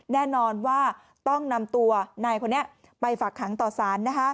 แน่นอนว่าต้องนำตัวนายคนนี้ไปฝากขังต่อสาร